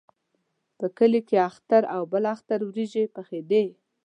په کلي کې اختر او بل اختر وریجې پخېدې.